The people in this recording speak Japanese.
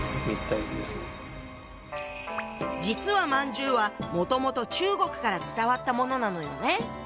実は饅頭はもともと中国から伝わったものなのよね。